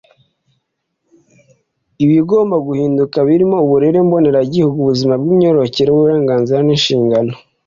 ibigomba guhinduka birimo uburere mboneragihugu ubuzima bw’imyororokere, uburenganzira n’inshingano